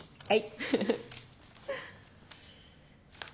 はい。